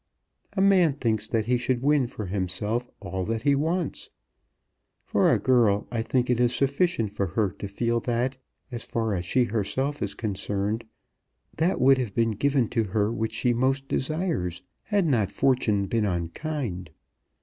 A man thinks that he should win for himself all that he wants. For a girl, I think it is sufficient for her to feel that, as far as she herself is concerned, that would have been given to her which she most desires, had not Fortune been unkind.